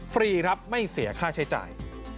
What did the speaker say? ฟรีครับไม่เสียค่าใช้จ่าย